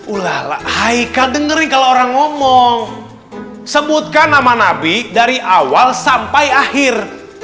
ulala hai kak dengerin kalau orang ngomong sebutkan nama nabi dari awal sampai akhir